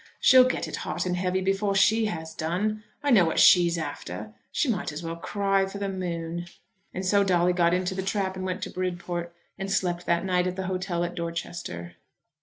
She'll get it hot and heavy before she has done. I know what she's after. She might as well cry for the moon." And so Dolly got into the trap and went to Bridport, and slept that night at the hotel at Dorchester.